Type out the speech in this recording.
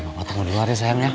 bapak tunggu dulu adi sayang ya